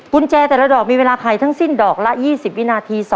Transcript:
กุญแจแต่ละดอกมีเวลาไขทั้งสิ้นดอกละ๒๐วินาที